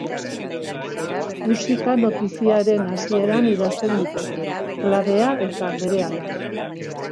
Musika-notazioaren hasieran idazten dute, klabea eta berehala.